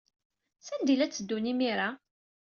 Sanda ay la tteddunt imir-a?